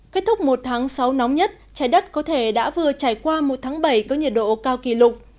kết thúc một tháng sáu nóng nhất trái đất có thể đã vừa trải qua một tháng bảy có nhiệt độ cao kỷ lục